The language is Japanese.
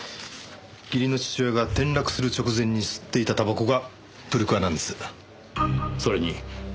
義理の父親が転落する直前に吸っていたたばこがｐｏｕｒｑｕｏｉなんです。